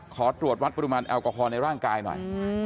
ขอตรวจวัดปริมาณแอลกอฮอลในร่างกายหน่อย